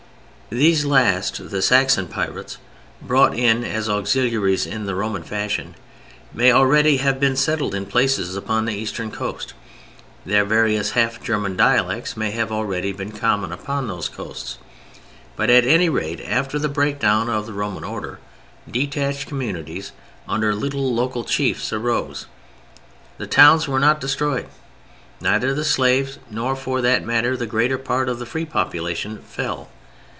These last, the Saxon pirates, brought in as auxiliaries in the Roman fashion, may already have been settled in places upon the eastern coast, their various half German dialects may have already been common upon those coasts; but at any rate, after the breakdown of the Roman order, detached communities under little local chiefs arose. The towns were not destroyed. Neither the slaves, nor, for that matter, the greater part of the free population fell.